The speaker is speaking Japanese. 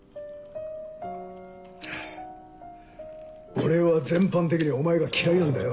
俺は全般的にお前が嫌いなんだよ。